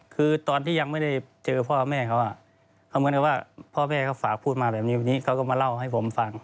คือตอนที่ยังไม่ได้เจอพ่อแม่เขาพ่อแม่เขาฝากพูดมาแบบนี้เขาก็มาเล่าให้ผมฟัง